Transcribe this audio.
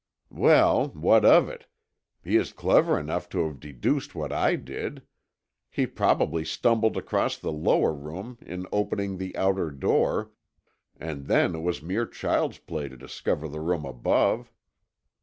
"Well, what of it. He is clever enough to have deduced what I did. He probably stumbled across the lower room in opening the outer door and then it was mere child's play to discover the room above."